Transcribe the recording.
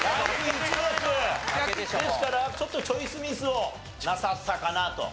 ですからちょっとチョイスミスをなさったかなと。